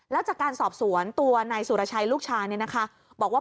แล้วจากการสอบสวนตัวนายสุรชัยลูกชายบอกว่า